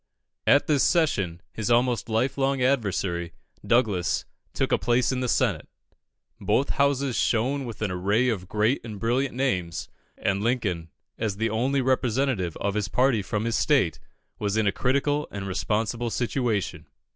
At this session, his almost life long adversary, Douglas, took a place in the Senate. Both houses shone with an array of great and brilliant names, and Lincoln, as the only representative of his party from his state, was in a critical and responsible situation.